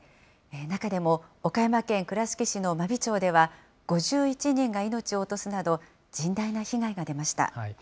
中でも岡山県倉敷市の真備町では、５１人が命を落とすなど、甚大な被害が出ました。